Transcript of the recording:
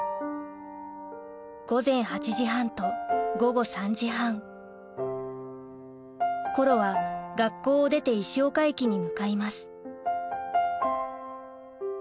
午前８時半と午後３時半コロは学校を出て石岡駅に向かいます